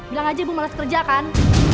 bilang aja ibu males kerja kan